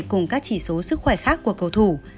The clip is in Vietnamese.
cùng các chỉ số sức khỏe khác của cầu thủ